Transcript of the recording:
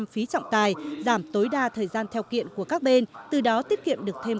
phí trọng tài giảm tối đa thời gian theo kiện của các bên từ đó tiết kiệm được thêm